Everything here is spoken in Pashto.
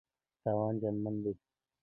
تاوان زیانمن دی.